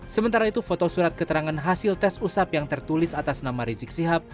sementara itu foto surat keterangan hasil tes usap yang tertulis atas nama rizik sihab